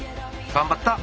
頑張った！